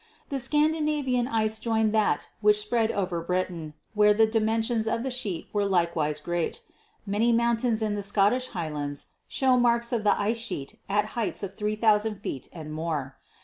The Scan dinavian ice joined that which spread over Britain, where the dimensions of the sheet were likewise great. Many mountains in the Scottish Highlands show marks "of the ice sheet at heights of 3,000 feet and more.